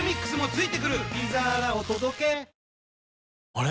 あれ？